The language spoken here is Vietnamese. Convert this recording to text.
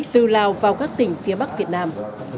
từ lào vào các tỉnh phía bắc việt nam